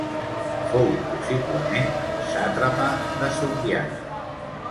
Fou possiblement sàtrapa de Sogdiana.